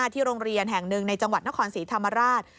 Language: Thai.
ที่โรงเรียนแห่งหนึ่งในจังหวัดนครศรีธรรมราช